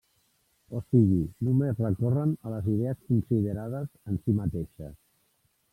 O sigui, només recorren a les idees considerades en si mateixes.